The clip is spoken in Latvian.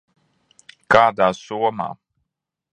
Kādā somā?